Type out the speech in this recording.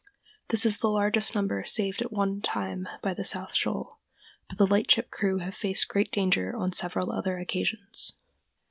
This is the largest number saved at one time by the South Shoal, but the lightship crew have faced great danger on several other occasions.